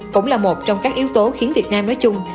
cũng là một trong các yếu tố khiến việt nam nói chung